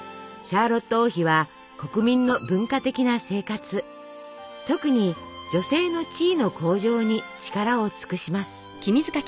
シャーロット王妃は国民の文化的な生活特に女性の地位の向上に力を尽くします。